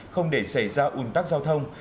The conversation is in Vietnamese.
không để xảy ra ủn tắc giao thông